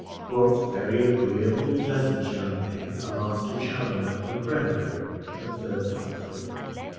"What very agreeable, pleasant young men are Master Chaloner and Grenville," observed Humphrey.